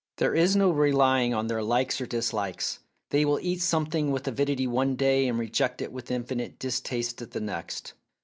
There is no relying on their likes or dislikes ; they will eat something with avidity one day and reject it with infinite distaste the next.